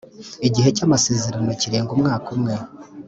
Igihe cy’amasezerano kirenga umwaka umwe